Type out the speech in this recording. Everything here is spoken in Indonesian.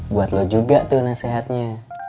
buat lo juga tuh nasihatnya